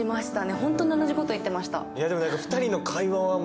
ホントに同じこと言ってました。